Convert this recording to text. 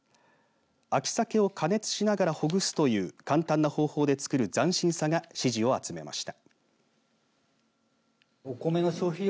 秋サケを加熱しながらほぐすという簡単な方法で作る斬新さが支持を集めました。